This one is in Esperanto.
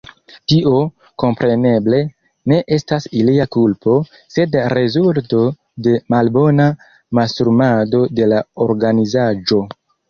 Tio, kompreneble, ne estas ilia kulpo, sed rezulto de malbona mastrumado de la organizaĵo.